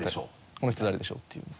「この人誰でしょう？」っていう。